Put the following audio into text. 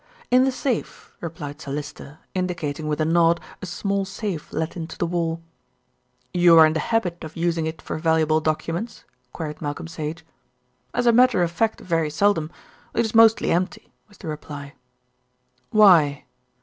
"In the safe," replied Sir Lyster, indicating with a nod a small safe let into the wall. "You are in the habit of using it for valuable documents?" queried Malcolm Sage. "As a matter of fact very seldom. It is mostly empty," was the reply. "Why?"